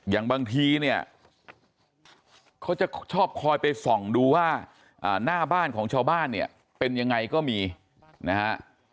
อย่างบางทีเนี่ยเขาจะชอบคอยไปส่องดูว่าหน้าบ้านของชาวบ้านเนี่ยเป็นยังไงก็มีนะฮะ